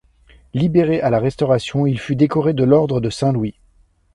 Libéré à la Restauration il fut décoré de l'ordre de Saint-Louis.